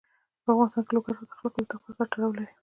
په افغانستان کې لوگر د خلکو د اعتقاداتو سره تړاو لري.